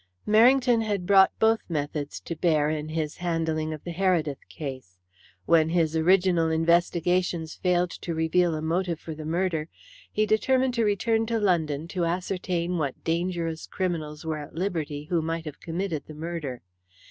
Merrington had brought both methods to bear in his handling of the Heredith case. When his original investigations failed to reveal a motive for the murder, he determined to return to London to ascertain what dangerous criminals were at liberty who might have committed the murder.